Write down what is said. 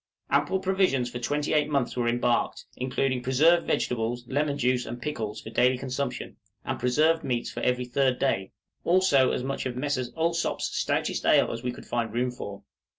Ample provisions for twenty eight months were embarked, including preserved vegetables, lemon juice, and pickles, for daily consumption, and preserved meats for every third day: also as much of Messrs. Allsopp's stoutest ale as we could find room for.